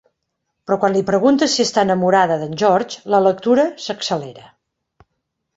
Però quan li preguntes si està enamorada d'en George, la lectura s'accelera.